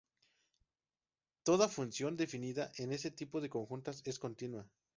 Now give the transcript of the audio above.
Toda función definida en ese tipo de conjuntos es continua.